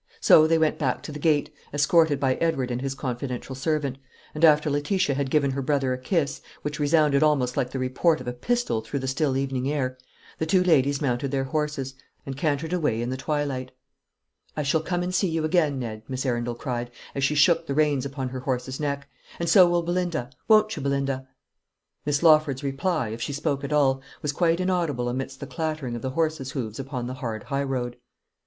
So they went back to the gate, escorted by Edward and his confidential servant; and after Letitia had given her brother a kiss, which resounded almost like the report of a pistol through the still evening air, the two ladies mounted their horses, and cantered away in the twilight. "I shall come and see you again, Ned," Miss Arundel cried, as she shook the reins upon her horse's neck; "and so will Belinda won't you, Belinda?" Miss Lawford's reply, if she spoke at all, was quite inaudible amidst the clattering of the horses' hoofs upon the hard highroad. CHAPTER XIII.